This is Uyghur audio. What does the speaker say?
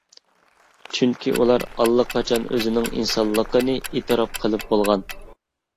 چۈنكى ئۇلار ئاللىقاچان ئۆزىنىڭ ئىنسانلىقىنى ئېتىراپ قىلىپ بولغان.